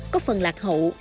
có phần lạc hậu